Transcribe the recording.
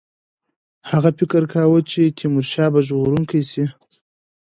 هغه فکر کاوه چې تیمورشاه به ژغورونکی شي.